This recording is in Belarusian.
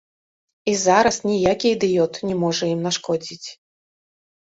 І зараз ніякі ідыёт не можа ім нашкодзіць.